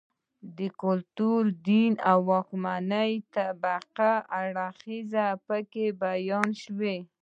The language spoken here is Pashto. د کلتور، دین او واکمنې طبقې اړخونه په کې بیان شوي